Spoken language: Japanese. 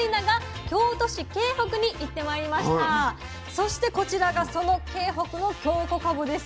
そしてこちらがその京北の京こかぶです。